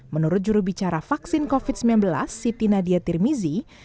menurut jurubicara vaksin covid sembilan belas siti nadia tirmizi